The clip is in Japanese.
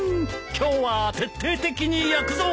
今日は徹底的に焼くぞ。